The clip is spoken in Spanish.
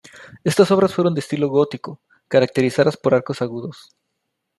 Estas obras fueron de estilo gótico, caracterizadas por arcos agudos.